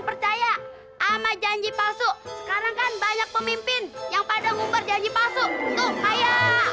percaya ama janji palsu sekarang kan banyak pemimpin yang pada ngumpar janji palsu tuh kaya